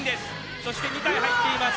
そして２体が入っています。